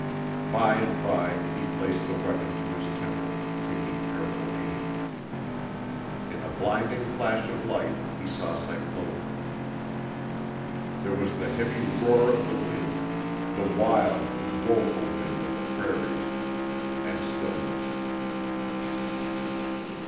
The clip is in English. By and by he placed the weapon to his temple, taking careful aim. In a blinding flash of light he saw Cyclona. There was the heavy roar of the wind, the wild and woeful wind of the prairies, and stillness.